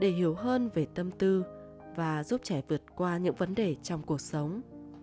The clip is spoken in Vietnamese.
để hiểu hơn về tâm tư và giúp trẻ vượt qua những vấn đề trong cuộc sống